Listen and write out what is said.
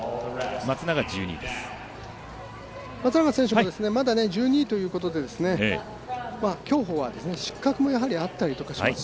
松永選手も１２位ということで競歩は失格もあったりとかします